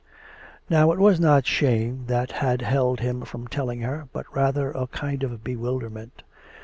Now it was not shame that had held him from telling her, but rather a kind of bewilderment.